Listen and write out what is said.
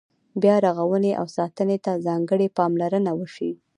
بیا رغونې او ساتنې ته ځانګړې پاملرنه وشي.